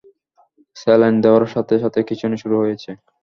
Saline দেওয়ার সাথে সাথে খিঁচুনি শুরু হয়েছে।